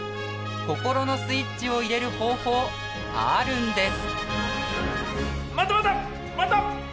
心のスイッチを入れる方法あるんです。